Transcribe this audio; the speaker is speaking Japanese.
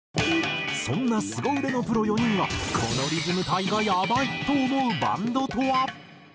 そんなスゴ腕のプロ４人がこのリズム隊がやばいと思うバンドとは？